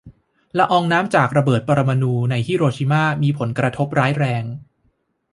ละอองน้ำจากระเบิดปรมาณูในฮิโรชิม่ามีผลกระทบร้ายแรง